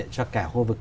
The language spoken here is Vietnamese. cho cả khu vực